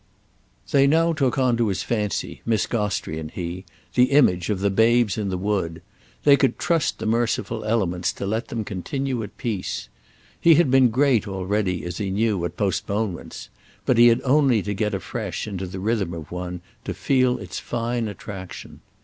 They now took on to his fancy, Miss Gostrey and he, the image of the Babes in the Wood; they could trust the merciful elements to let them continue at peace. He had been great already, as he knew, at postponements; but he had only to get afresh into the rhythm of one to feel its fine attraction.